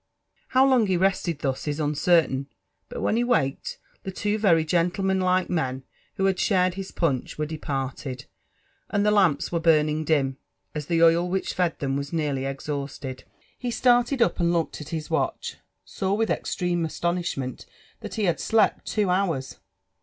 How long he rested thus is uncertain ; but when he waked, the two Tery gentlemanlike men who had shared his punch were departed, and the lamps were burning dim, as the oil whieh fed them was pearly eftbaualed. He started up, and looking at his watch, saw with ex treme astonishment that he had slept two hours.